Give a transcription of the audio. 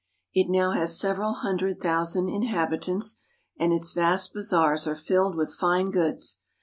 It now has several hun dred thousand inhabitants, and its vast bazaars are filled with fine goods.